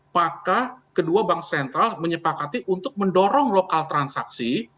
maka kedua bank sentral menyepakati untuk mendorong lokal transaksi